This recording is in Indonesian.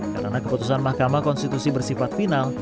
karena keputusan mahkamah konstitusi bersifat final